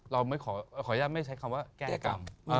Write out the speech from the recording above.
ขออนุญาตไม่ใช้คำว่าแก้กรรม